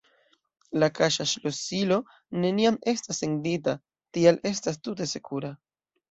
La kaŝa ŝlosilo neniam estas sendita, tial estas tute sekura.